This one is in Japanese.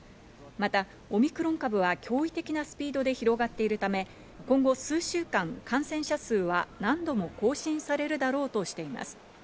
またオミクロン株は驚異的なスピードで広がっているため、今後、数週間、感染者数は何度も更新されるだろうとしています。